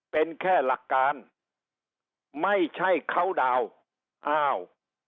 เป็นแค่หลักการไม่ใช่เขาดาวน์อ้าว